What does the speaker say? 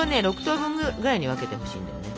６等分ぐらいに分けてほしいんだよね。